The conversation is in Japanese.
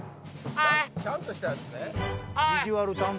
ちゃんとしたヤツね？